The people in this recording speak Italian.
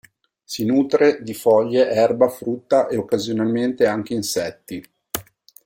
Si nutre di foglie, erba, frutta e occasionalmente anche insetti.